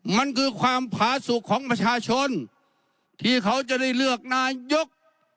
มันคือความผาสุขของประชาชนที่เขาจะได้เลือกนายก